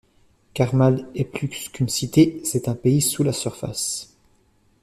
Quarmall est plus qu'une cité, c'est un pays sous la surface.